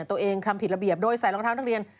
ตัวเองทำผิดระเบียบโดยใส่รองเท้านักเรียน